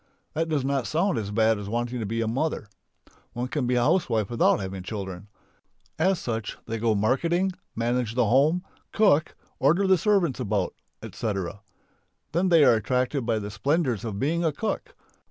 That does not sound as bad as wanting to be "mother." One can be a housewife without having children. As such they go marketing, manage the home, cook, order the servants about, etc. Then they are attracted by the splendours of being a cook.